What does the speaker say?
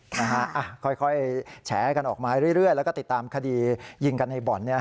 นะฮะค่อยแฉกันออกมาเรื่อยแล้วก็ติดตามคดียิงกันในบ่อน